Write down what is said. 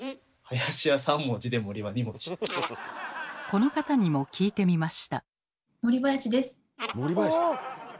この方にも聞いてみました。